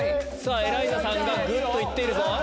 エライザさんがぐっと行っているぞ。